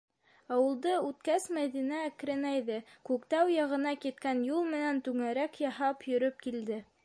Ауылды үткәс Мәҙинә әкренәйҙе, Күктау яғына киткән юл менән түңәрәк яһап йөрөп килде.